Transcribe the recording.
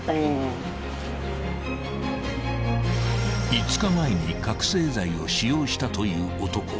［５日前に覚醒剤を使用したという男］